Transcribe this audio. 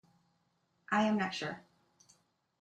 I am not sure.